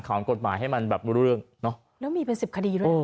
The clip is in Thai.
ไขวนกรดหมายให้มันแบบเรื่องเนาะแล้วมีเป็น๑๐คดีด้วยออ